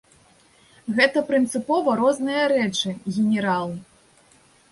Гэта прынцыпова розныя рэчы, генерал.